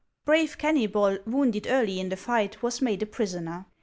Brave Kermybol, wounded early in the fight, was made a prisoner.